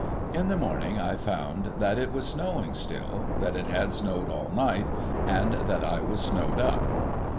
In the morning I found that it was snowing still, that it had snowed all night, and that I was snowed up.